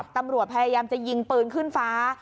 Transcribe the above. ตำรวจพยายามจะยิงปืนขึ้นฟ้า